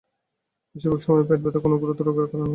বেশিরভাগ সময়েই পেট ব্যথা কোন গুরুতর রোগের কারণে হয় না।